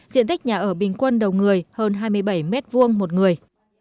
diện tích nhà ở bình quân đầu người hơn hai mươi bảy m hai một người